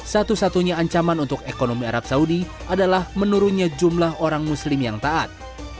satu satunya ancaman untuk ekonomi arab saudi adalah menurunnya jumlah orang muslim yang taat